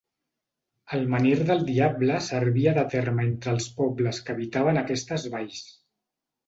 El menhir del Diable servia de terme entre els pobles que habitaven aquestes valls.